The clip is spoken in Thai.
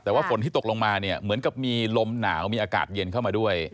แต่ว่าฝนที่ตกลงมาเนี่ยเหมือนกับมีลมหนาวมีอากาศเย็นเข้ามาด้วย